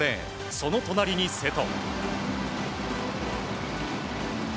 その隣に瀬戸。